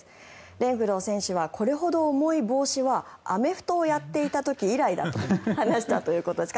レンフロー選手はこれほど重い帽子はアメフトをやっていた時以来だと話していたということです。